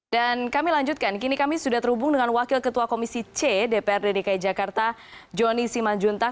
dan kami lanjutkan kini kami sudah terhubung dengan wakil ketua komisi c dpr dki jakarta joni simanjuntak